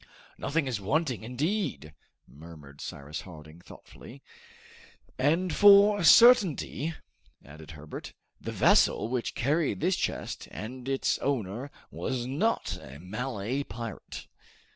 "Nothing is wanting, indeed," murmured Cyrus Harding thoughtfully. "And for a certainty," added Herbert, "the vessel which carried this chest and its owner was not a Malay pirate!"